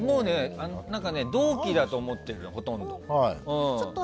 同期だと思ってるの、ほとんど。